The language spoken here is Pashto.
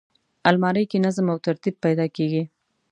الماري کې نظم او ترتیب پیدا کېږي